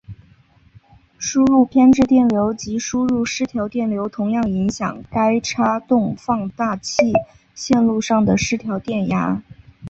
输入偏置电流及输入失调电流同样影响该差动放大器线路上的失调电压。